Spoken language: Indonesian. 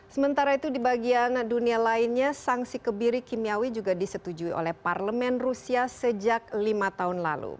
sementara itu di bagian dunia lainnya sanksi kebiri kimiawi juga disetujui oleh parlemen rusia sejak lima tahun lalu